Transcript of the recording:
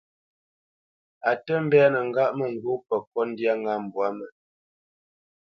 A tə mbénə ŋgâʼ mə ŋgó pə kot ndyâ ŋá mbwǎ mə.